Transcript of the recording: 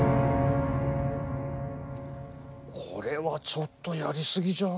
これはちょっとやり過ぎじゃ。